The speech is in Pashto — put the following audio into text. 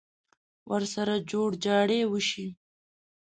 ورسره جوړ جاړی وشي.